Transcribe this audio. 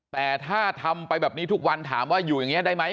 แต่ถ้าทำไปแบบนี้ทุกวันถามว่าอยู่อย่างนี้ได้ไหม